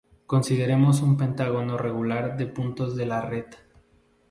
Consideremos un pentágono regular de puntos de la red.